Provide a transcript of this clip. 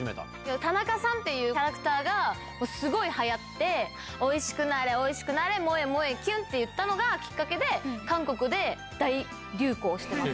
タナカさんっていうキャラクターが、すごいはやって、おいしくなーれ、おいしくなーれ、萌え萌えキュンって言ったのがきっかけで、韓国で大流行してます。